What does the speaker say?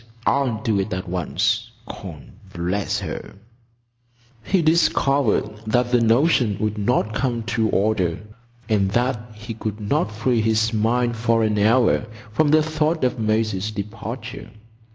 I'll do it at once, con—bless her." He discovered that the notion would not come to order, and that he could not free his mind for an hour from the thought of Maisie's departure.